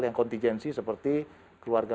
yang kontingensi seperti keluarga